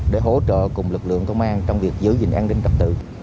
để hỗ trợ cùng lực lượng công an trong việc giữ gìn an ninh trật tự